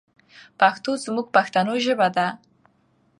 پښتو زموږ پښتنو ژبه ده.